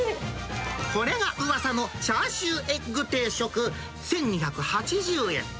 これがうわさのチャーシューエッグ定食１２８０円。